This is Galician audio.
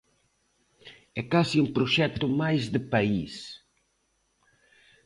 É case un proxecto máis de país.